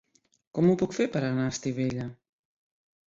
Com ho puc fer per anar a Estivella?